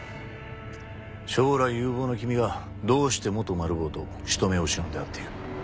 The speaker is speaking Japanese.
将来有望な君がどうして元マル暴と人目を忍んで会っている？